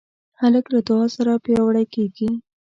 هلک له دعا سره پیاوړی کېږي.